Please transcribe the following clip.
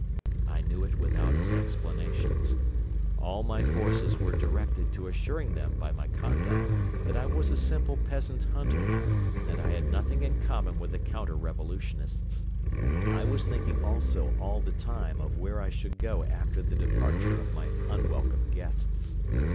I knew it without his explanations. All my forces were directed to assuring them by my conduct that I was a simple peasant hunter and that I had nothing in common with the counter revolutionists. I was thinking also all the time of where I should go after the departure of my unwelcome guests.